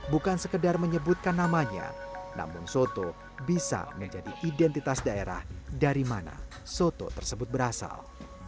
bukan sekedar menyebutkan namanya namun soto bisa menjadi identitas daerah dari mana soto tersebut berasal